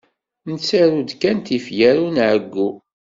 Nettaru-d kan tifyar ur nɛeyyu.